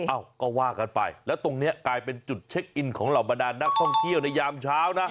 เอ้าก็ว่ากันไปแล้วตรงนี้กลายเป็นจุดเช็คอินของเหล่าบรรดานนักท่องเที่ยวในยามเช้านะ